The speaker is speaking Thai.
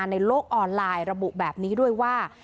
ในโลกออนไลน์ระบุแบบนี้ด้วยว่า